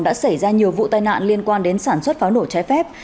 đã xảy ra nhiều vụ tai nạn liên quan đến sản xuất pháo nổ trái phép